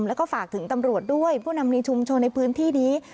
แล้วก็ฝากถึงตำรวจด้วยผู้นำในชุมชนในพื้นที่นี้